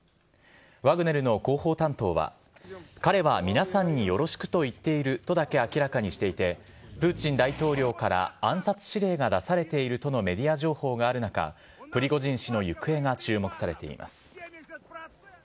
ワグネルの広報担当は、彼は皆さんによろしくと言っているとだけ明らかにしていて、プーチン大統領から暗殺指令が出されているとのメディア情報がある中、プリゴジン氏の行方が注目されています。